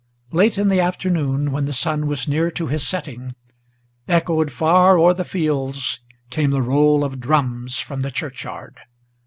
Late in the afternoon, when the sun was near to his setting, Echoed far o'er the fields came the roll of drums from the churchyard.